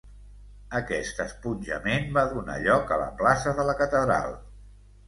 Aquest esponjament va donar lloc a la plaça de la catedral.